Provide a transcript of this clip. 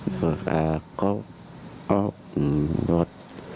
ก็เอาออกรถ